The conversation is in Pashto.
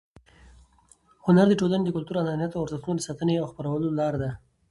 هنر د ټولنې د کلتور، عنعناتو او ارزښتونو د ساتنې او خپرولو لار ده.